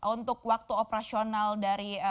untuk waktu operasional dari